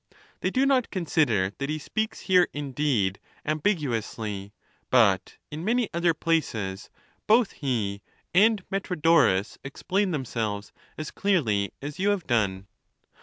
They do not consider that he speaks here, indeed, ambigu ously; but in many other places both he and Metrodorus explain themselves as clearly as you have done.